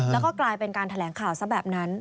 แล้วก็กลายเป็นการแถลงข่าวซะแบบนั้น